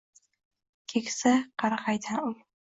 Keksa qarag’aydan ul